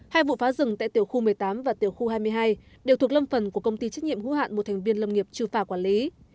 hai vụ phá rừng tại tiểu khu một mươi tám và tiểu khu hai mươi hai đều thuộc lâm phần của công ty trách nhiệm hữu hạn một thành viên lâm nghiệp trừ phả quản lý